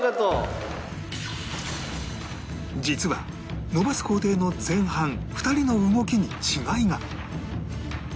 実はのばす工程の前半２人の動きに違いが